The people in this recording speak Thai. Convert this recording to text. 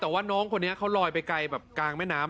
แต่ว่าน้องคนนี้เขาลอยไปไกลแบบกลางแม่น้ำ